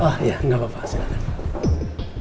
oh ya gak apa apa silahkan